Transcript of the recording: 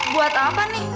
buat apa nih